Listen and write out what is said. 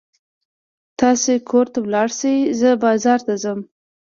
تاسې کور ته ولاړ شئ، زه بازار ته ځم.